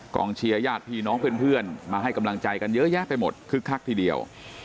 เชียร์ญาติพี่น้องเพื่อนมาให้กำลังใจกันเยอะแยะไปหมดคึกคักทีเดียว